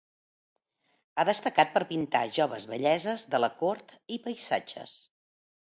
Ha destacat per pintar joves belleses de la cort i paisatges.